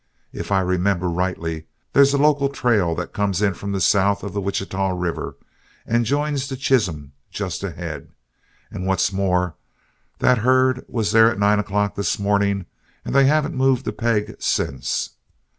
If I remember rightly, there's a local trail comes in from the south of the Wichita River, and joins the Chisholm just ahead. And what's more, that herd was there at nine o'clock this morning, and they haven't moved a peg since.